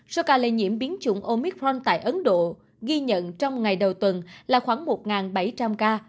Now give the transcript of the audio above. số ca lây nhiễm biến chủng omic fron tại ấn độ ghi nhận trong ngày đầu tuần là khoảng một bảy trăm linh ca